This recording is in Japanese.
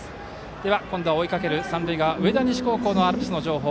では追いかける三塁側上田西高校のアルプスの情報